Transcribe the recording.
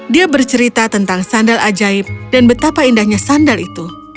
dia bercerita tentang sandal ajaib dan betapa indahnya sandal itu